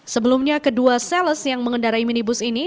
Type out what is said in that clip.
sebelumnya kedua sales yang mengendarai minibus ini